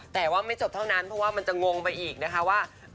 แต่ว่าไม่จบเท่านั้นเพราะว่ามันจะงงไปอีกนะคะว่า